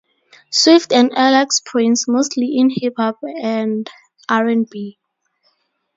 Swift and Alex Prince, mostly in hip-hop and R and B.